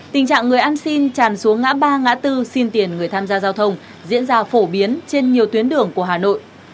tình trạng người ăn xin tràn xuống ngã ba ngã tư xin tiền người tham gia giao thông diễn ra phổ biến trên nhiều tuyến đường của hà nội